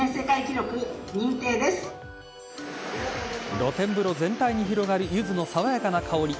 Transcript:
露天風呂全体に広がるゆずの爽やかな香り。